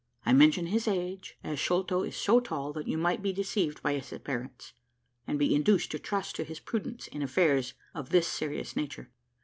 I mention his age, as Sholto is so tall that you might be deceived by his appearance, and be induced to trust to his prudence in affairs of this serious nature.